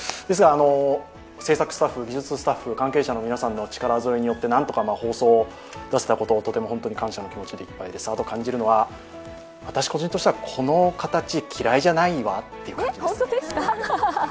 ですが、制作スタッフ、技術スタッフ、関係者の皆さんのお力によって何とか放送を出せたことを本当に感謝の気持ちでいっぱいです。感じるのは、私、個人としては、この形、嫌いじゃないわという感じです。